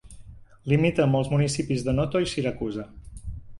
Limita amb els municipis de Noto i Siracusa.